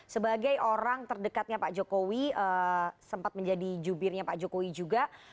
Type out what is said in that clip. sebagai orang terdekatnya pak jokowi sempat menjadi jubirnya pak jokowi juga